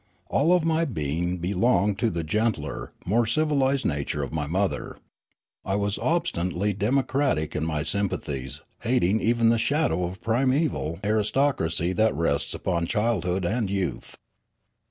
All my being belonged to the gentler, more civilised nature of my mother ; I was obstinately democratic in my sympathies, hating even the shadow of primeval aristocracy that rests upon childhood and youth.